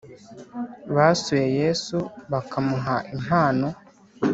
Basuye yesu bakamuha impano